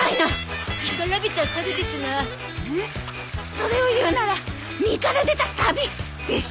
それを言うなら「身から出たサビ」でしょ！